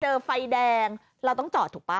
ไฟแดงเราต้องจอดถูกป่ะ